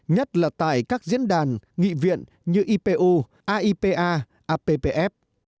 nhất là tại các diễn đàn nghị viện như ipu aipa appf